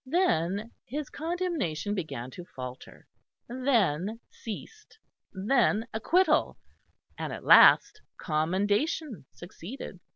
Then his condemnation began to falter, then ceased; then acquittal, and at last commendation succeeded.